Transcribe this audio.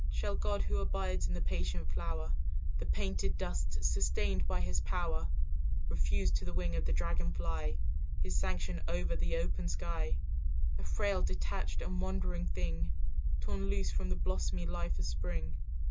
"Shall God who abides in the patient flower, The painted dust sustained by his power, "Refuse to the wing of the dragonfly His sanction over the open sky, "A frail detached and wandering thing Torn loose from the blossomy life of spring?